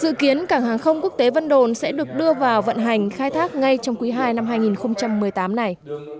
dự kiến cảng hàng không quốc tế vân đồn sẽ được đưa vào vận hành khai thác ngay trong quý ii năm hai nghìn một mươi tám này